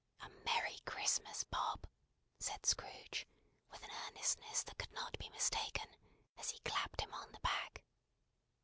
"A merry Christmas, Bob!" said Scrooge, with an earnestness that could not be mistaken, as he clapped him on the back.